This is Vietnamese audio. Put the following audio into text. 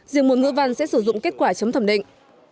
riêng môn ngữ văn sẽ sử dụng kết quả chấm thẩm định